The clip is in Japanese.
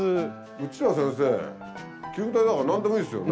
うちら先生球体だから何でもいいっすよね？